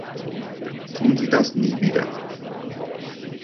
Tun Sie das nie wieder.